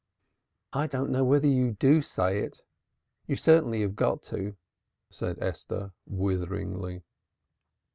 "I don't know whether you do say it. You certainly have got to," said Esther witheringly.